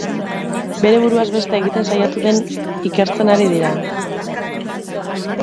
Bere buruaz beste egiten saiatu den ikertzen ari dira.